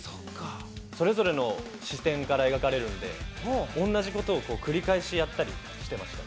それぞれの視点から描かれるんで、おんなじことを繰り返しやったりして。